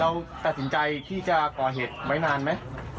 เราตัดสินใจที่จะก่อเหตุไว้นานไหม